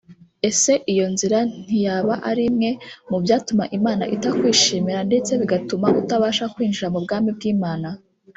Ese iyo nzira ntiyaba ari imwe mu byatuma Imana itakwishimira ndetse bigatuma utabasha kwinjira mu bwami bw’Imana